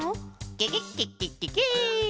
ケケッケッケッケケ！